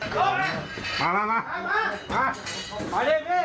เท่าเท่า